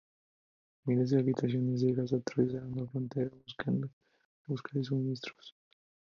Miles de habitantes de Gaza atravesaron la frontera en busca de suministros.